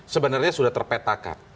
sebenarnya sudah terpetakan